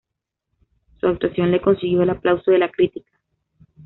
Su actuación le consiguió el aplauso de la crítica.